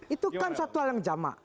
itu kan suatu hal yang jamak